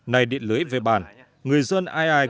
này điện lưới về bản người dân ai ai